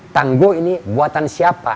tangguh ini buatan siapa